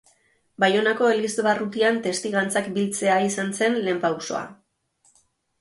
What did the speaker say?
Baionako elizbarrutian testigantzak biltzea izan zen lehen pausoa.